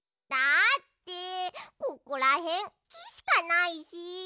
だってここらへんきしかないし。